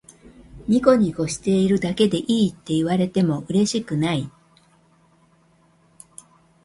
ニコニコしているだけでいいって言われてもうれしくない